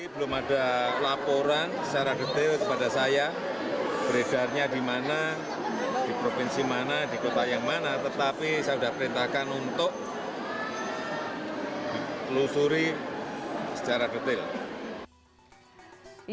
belum ada laporan secara detail kepada saya beredarnya di mana di provinsi mana di kota yang mana tetapi saya sudah perintahkan untuk ditelusuri secara detail